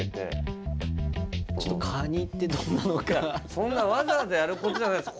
そんなわざわざやることじゃないです。